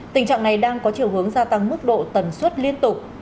tình trạng này đang có chiều hướng gia tăng mức độ tần suất liên tục